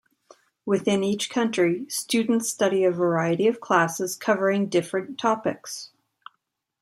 Within each country, students study a variety of classes covering different topics.